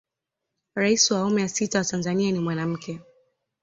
rais wa awamu ya sita wa tanzania ni mwanamke